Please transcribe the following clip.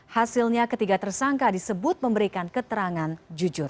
hasilnya ketiga tersangka disebut memberikan keterangan jujur